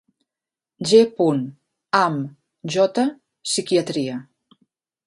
G. Am J Psiquiatria.